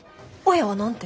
親は何て？